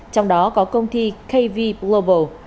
trong đó có công ty kv global